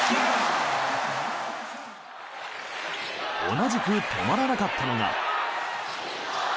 同じく止まらなかったのが。